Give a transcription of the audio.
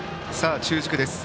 中軸です。